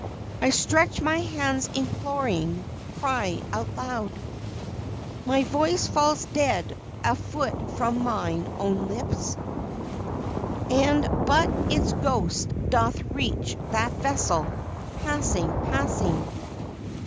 I stretch my hands imploring, cry aloud, My voice falls dead a foot from mine own lips, And but its ghost doth reach that vessel, passing, passing.